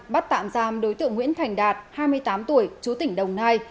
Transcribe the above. bắt tạm giam đối tượng nguyễn thành đạt hai mươi tám tuổi chú tỉnh đồng nai